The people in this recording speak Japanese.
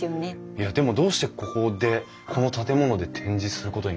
いやでもどうしてここでこの建物で展示することになったんですか？